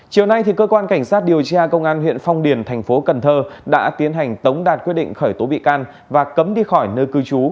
chiều nay cơ quan cảnh sát điều tra công an huyện phong điền thành phố cần thơ đã tiến hành tống đạt quyết định khởi tố bị can và cấm đi khỏi nơi cư trú